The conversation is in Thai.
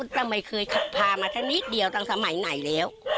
ทำไมเคยพามาสักนิดเดียวตั้งสมัยไหนแล้ว